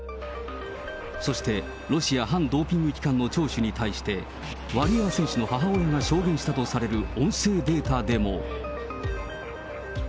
そして、ロシア反ドーピング機関の聴取に対して、ワリエワ選手の母親が証言したとされる音声データでも。